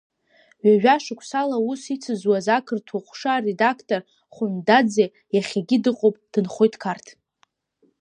Ҩажәа шықәсала аус ицызуаз ақырҭуа ҟәша аредактор Хәындаӡе иахьагьы дыҟоуп, дынхоит Қарҭ…